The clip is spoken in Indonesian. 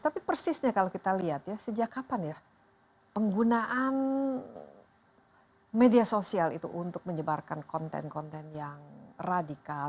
tapi persisnya kalau kita lihat ya sejak kapan ya penggunaan media sosial itu untuk menyebarkan konten konten yang radikal